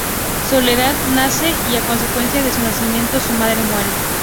Soledad nace y a consecuencia de su nacimiento su madre muere.